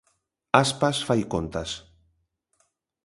Aspas fai contas.